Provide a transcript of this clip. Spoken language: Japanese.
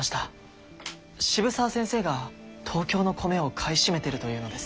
渋沢先生が東京の米を買い占めているというのです。